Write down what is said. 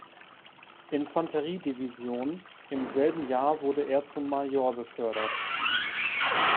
Infanteriedivision, im selben Jahr wurde er zum Major befördert.